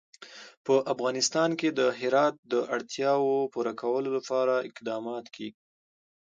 په افغانستان کې د هرات د اړتیاوو پوره کولو لپاره اقدامات کېږي.